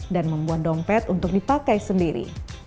dan membuat dompet untuk dipakai sendiri